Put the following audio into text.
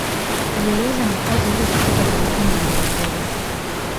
Alieleza makazi huko katika valkano ya Ngorongoro